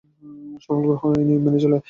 সকল গ্রহ এই নিয়ম মেনে চলে।